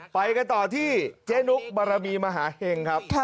ไปกันต่อที่เจ๊นุกบารมีมหาเห็งครับ